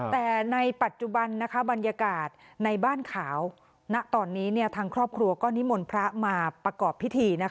แต่ในปัจจุบันบรรยากาศในบ้านขาวณตอนนี้ทางครอบครัวก็นิมนต์พระมาประกอบพิธี